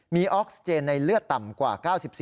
มีออกซิเจนในเลือดต่ำกว่า๙๔